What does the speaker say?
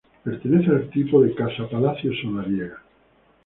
Pertenece al tipo de casa-palacio solariega.